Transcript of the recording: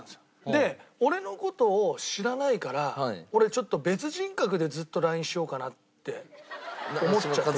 で俺の事を知らないから俺ちょっと別人格でずっとＬＩＮＥしようかなって思っちゃって。